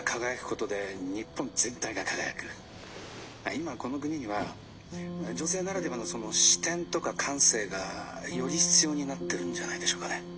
今この国には女性ならではのその視点とか感性がより必要になってるんじゃないでしょうかね」。